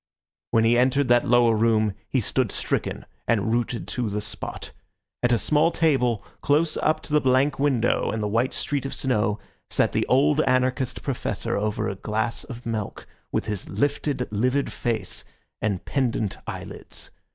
When he entered that lower room he stood stricken and rooted to the spot. At a small table, close up to the blank window and the white street of snow, sat the old anarchist Professor over a glass of milk, with his lifted livid face and pendent eyelids.